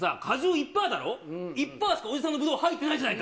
１パーしか、おじさんのブドウ入ってないじゃないか。